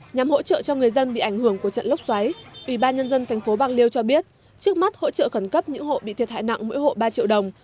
nhằm hỗ trợ cho người dân bị ảnh hưởng của trận lốc xoáy ủy ban nhân dân thành phố bạc liêu cho biết trước mắt hỗ trợ khẩn cấp những hộ bị thiệt hại nặng mỗi hộ ba triệu đồng